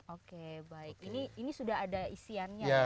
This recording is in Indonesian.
oke baik ini sudah ada isiannya